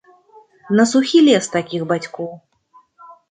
На сухі лес такіх бацькоў.